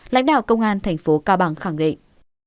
lãnh đạo công an tp cao bằng khẳng định